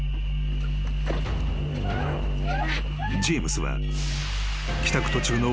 ［ジェームスは帰宅途中の］